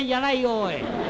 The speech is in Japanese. おい。